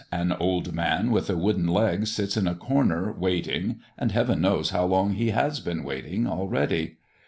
An old man with a wooden leg sits in a corner waiting, and Heaven knows how long he has been waiting already.